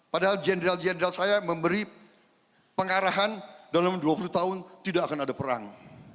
padahal jenderal jenderal saya memberi pengarahan dalam dua puluh tahun tidak akan ada perang